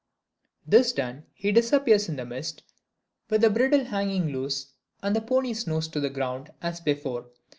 This done, he disappears in the mist, with the bridle hanging loose, and the pony's nose to the ground, as before.